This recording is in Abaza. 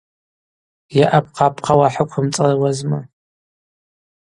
Йа апхъапхъа угӏахӏыквымцӏыруазма.